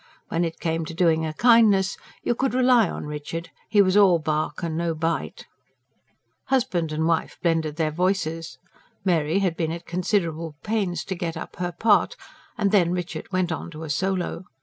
When it came to doing a kindness, you could rely on Richard; he was all bark and no bite. Husband and wife blended their voices Mary had been at considerable pains to get up her part and then Richard went on to a solo.